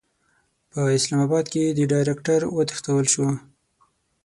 په اسلاماباد کې د ډایرکټر وتښتول شو.